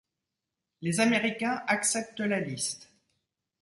Les Américains acceptent la liste.